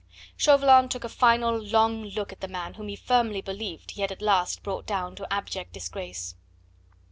Chauvelin took a final long look at the man whom he firmly believed he had at last brought down to abject disgrace.